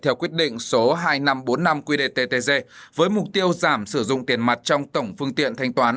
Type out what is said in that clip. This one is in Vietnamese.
theo quyết định số hai nghìn năm trăm bốn mươi năm qdttg với mục tiêu giảm sử dụng tiền mặt trong tổng phương tiện thanh toán